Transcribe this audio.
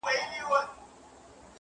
يو يې خوب يو يې خوراك يو يې آرام وو!.